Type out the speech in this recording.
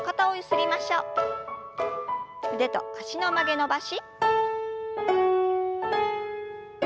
腕と脚の曲げ伸ばし。